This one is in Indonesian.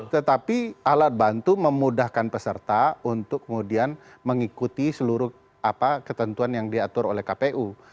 tetapi alat bantu memudahkan peserta untuk kemudian mengikuti seluruh ketentuan yang diatur oleh kpu